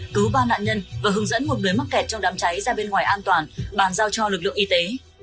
cứu ba nạn nhân và hướng dẫn một người mắc kẹt trong đám cháy ra bên ngoài an toàn bàn giao cho lực lượng y tế